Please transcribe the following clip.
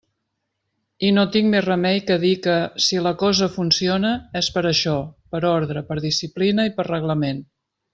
I no tinc més remei que dir que, si la cosa funciona, és per això, per ordre, per disciplina i per reglament.